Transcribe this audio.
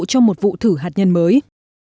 cho một vụ thử hạt nhân mới